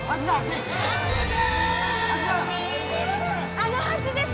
あの橋です